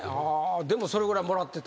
でもそれぐらいもらってた？